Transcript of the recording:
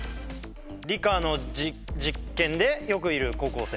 理科の実験でよくいる高校生。